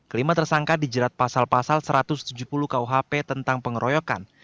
kelima tersangka dijerat pasal pasal satu ratus tujuh puluh kuhp tentang pengeroyokan